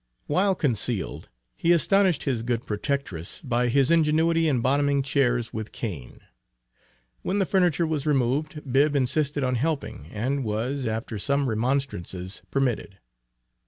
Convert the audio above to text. While concealed, he astonished his good protectress by his ingenuity in bottoming chairs with cane. When the furniture was removed, Bibb insisted on helping, and was, after some remonstrances, permitted.